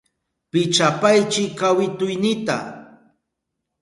Pichapaychi kawituynita.